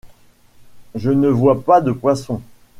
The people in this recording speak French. Je ne vois pas de poissons!